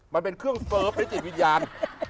มันเป็นเครื่องเฟิร์ฟและจิตวิญญาณ